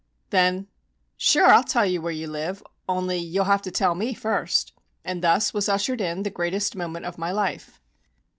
Then: "Sure, I'll tell you where you live; only you'll have to tell me first." And thus was ushered in the greatest moment of my life.